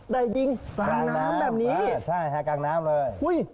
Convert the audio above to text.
แต่ยิงกลางน้ำแบบนี้ค่ะใช่ค่ะกลางน้ำเลยฮุ้ย